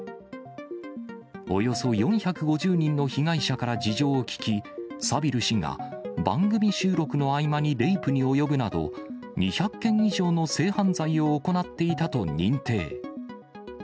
およそ４５０人の被害者から事情を聴き、サビル氏が番組収録の合間にレイプに及ぶなど、２００件以上の性犯罪を行っていたと認定。